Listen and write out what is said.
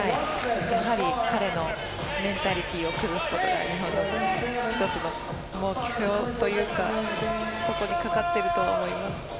やはり彼のメンタリティーを崩すことが１つの目標というかそこにかかっていると思います。